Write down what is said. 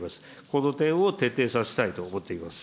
この点を徹底させたいと思っています。